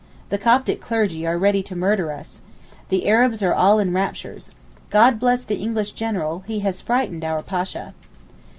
The Coptic clergy are ready to murder us. The Arabs are all in raptures. 'God bless the English general, he has frightened our Pasha.